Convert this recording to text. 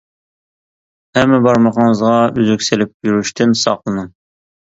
ھەممە بارمىقىڭىزغا ئۈزۈك سېلىپ يۈرۈشتىن ساقلىنىڭ.